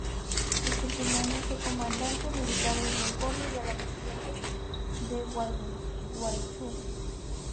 Ese último año fue comandante militar de Concordia, y al año siguiente de Gualeguaychú.